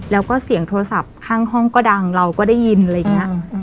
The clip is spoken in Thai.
แล้วก็เสียงโทรศัพท์ข้างห้องก็ดังเราก็ได้ยินอะไรอย่างนี้